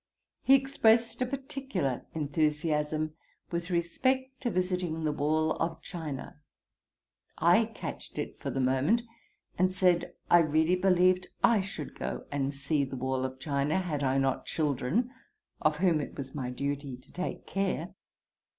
He expressed a particular enthusiasm with respect to visiting the wall of China. I catched it for the moment, and said I really believed I should go and see the wall of China had I not children, of whom it was my duty to take care.